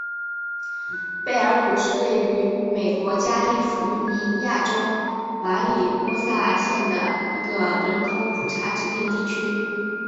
贝尔谷是位于美国加利福尼亚州马里波萨县的一个人口普查指定地区。